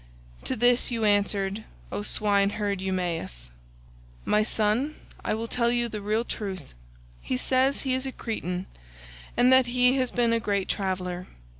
To this you answered, O swineherd Eumaeus, "My son, I will tell you the real truth. He says he is a Cretan, and that he has been a great traveller.